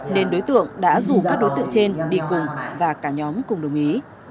nên đối tượng đã rủ các đối tượng trên đi cùng và cả nhóm cùng đồng ý